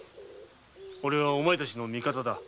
おれはお前たちの味方だ。